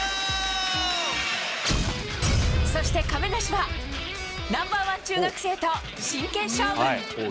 そして亀梨は、ナンバーワン中学生と真剣勝負。